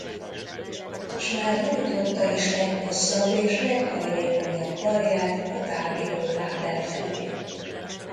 S már nyújtotta is leghosszabb és leghajlékonyabb karját a távírókábel felé.